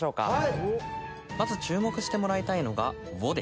まず注目してもらいたいのが。